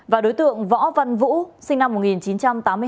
và đối tượng võ văn vũ sinh năm một nghìn chín trăm tám mươi hai